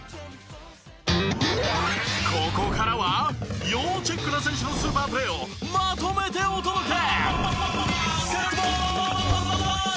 ここからは要チェックな選手のスーパープレーをまとめてお届け！